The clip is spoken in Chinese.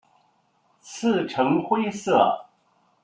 刺呈灰色。